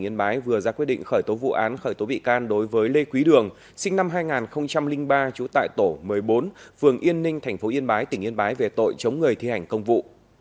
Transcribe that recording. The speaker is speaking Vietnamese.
yên bái vừa ra quyết định khởi tố vụ án khởi tố bị can đối với lê quý đường sinh năm hai nghìn ba trú tại tổ một mươi bốn phường yên ninh tp yên bái tỉnh yên bái về tội chống người thi hành công vụ